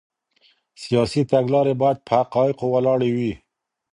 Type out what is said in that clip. سیاسي تګلارې باید په حقایقو ولاړې وي.